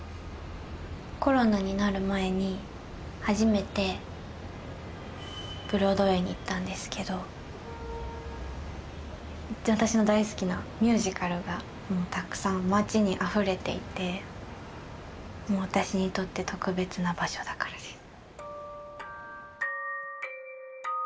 コロナになる前に初めてブロードウェイに行ったんですけどめっちゃ私の大好きなミュージカルがもうたくさん街にあふれていてもう私にとって特別な場所だからです。